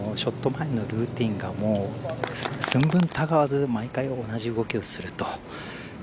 前のルーティーンが寸分たがわず毎回同じ動きをすると。